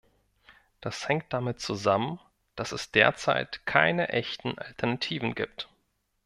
Das hängt damit zusammen, dass es derzeit keine echten Alternativen gibt.